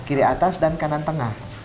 kiri atas dan kanan tengah